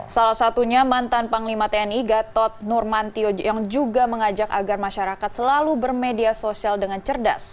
salah satunya mantan panglima tni gatot nurmantio yang juga mengajak agar masyarakat selalu bermedia sosial dengan cerdas